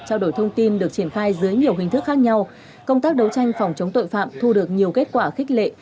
trao đổi thông tin được triển khai dưới nhiều hình thức khác nhau công tác đấu tranh phòng chống tội phạm thu được nhiều kết quả khích lệ